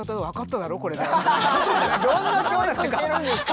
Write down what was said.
どんな教育してるんですか！